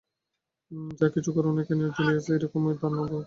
যা কিছুই করো না কেন, জুলিয়াস এরকম দানবই থেকে যাবে।